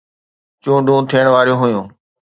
چونڊون ٿيڻ واريون هيون